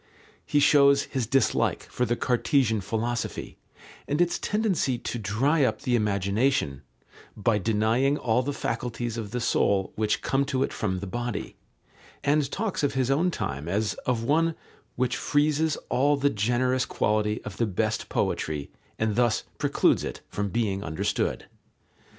He shows his dislike for the Cartesian philosophy and its tendency to dry up the imagination "by denying all the faculties of the soul which come to it from the body," and talks of his own time as of one "which freezes all the generous quality of the best poetry and thus precludes it from being understood."